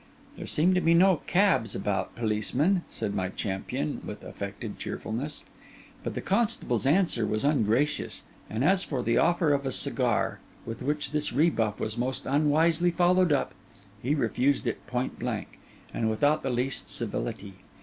'There seem to be no cabs about, policeman,' said my champion, with affected cheerfulness. But the constable's answer was ungracious; and as for the offer of a cigar, with which this rebuff was most unwisely followed up, he refused it point blank, and without the least civility.